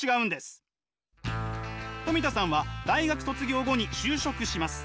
トミタさんは大学卒業後に就職します。